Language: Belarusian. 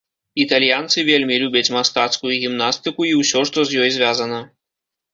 Італьянцы вельмі любяць мастацкую гімнастыку і ўсё, што з ёй звязана.